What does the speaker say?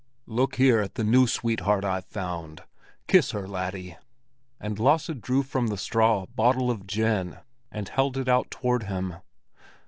"Look here at the new sweetheart I've found! Kiss her, laddie!" And Lasse drew from the straw a bottle of gin, and held it out toward him.